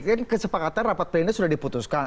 kan kesepakatan rapat pleno sudah diputuskan